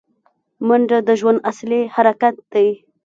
منډه د ژوند اصلي حرکت دی